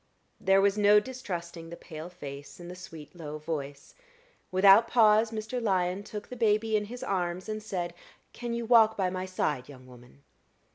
There was no distrusting the pale face and the sweet low voice. Without pause, Mr. Lyon took the baby in his arms and said, "Can you walk by my side, young woman?"